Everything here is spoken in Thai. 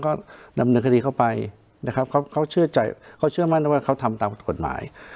ก็ดำเนินคดีเข้าไปนะครับเขาเชื่อใจเขาเชื่อมั่นว่าเขาทำตามกฎหมาย